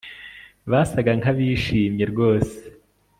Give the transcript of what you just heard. Basaga nkabishimye rwose